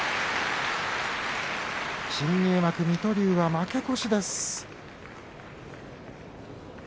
新入幕、水戸龍は負け越しです。